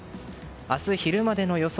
明日昼までの予想